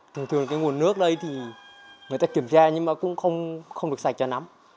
thường thường cái nguồn nước đây thì người ta kiểm tra nhưng mà cũng không được sạch cho nắm